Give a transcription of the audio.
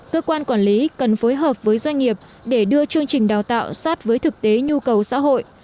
cơ quan quản lý cần phối hợp với doanh nghiệp để đưa chương trình đào tạo sát với thực tế nhu cầu xã hội